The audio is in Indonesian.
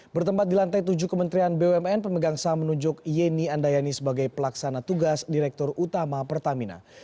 bertempat di lantai tujuh kementerian bumn pemegang saham menunjuk yeni andayani sebagai pelaksana tugas direktur utama pertamina